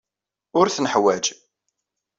Ur t-neḥwaj.